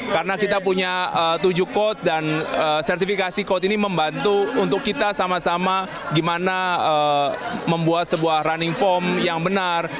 karena kita punya tujuh coach dan sertifikasi coach ini membantu untuk kita sama sama gimana membuat sebuah running form yang benar